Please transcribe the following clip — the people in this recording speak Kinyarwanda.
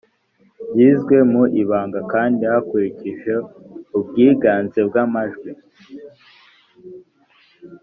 byizwe mu ibanga kandi hakurikije ubwiganze bw’amajwi